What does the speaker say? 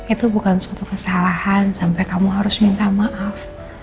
itu bukan suatu kesalahan sampai kamu harus minta maaf